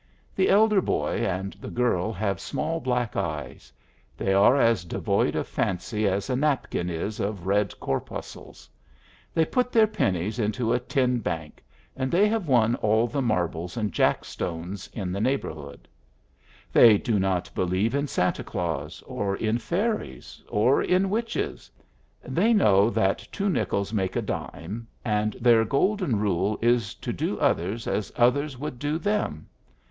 The elder boy and the girl have small black eyes; they are as devoid of fancy as a napkin is of red corpuscles; they put their pennies into a tin bank, and they have won all the marbles and jack stones in the neighborhood. They do not believe in Santa Claus or in fairies or in witches; they know that two nickels make a dime, and their golden rule is to do others as others would do them.